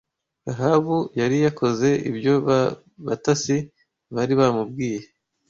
Rahabu yari yakoze ibyo ba batasi bari bamubwiye